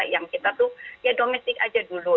yang kita tuh ya domestik aja dulu